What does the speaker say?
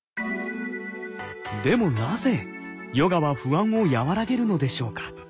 でもなぜヨガは不安を和らげるのでしょうか。